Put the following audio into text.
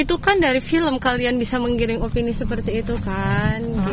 itu kan dari film kalian bisa menggiring opini seperti itu kan